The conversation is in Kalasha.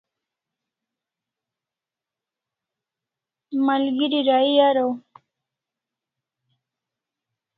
Malgeri rahi araw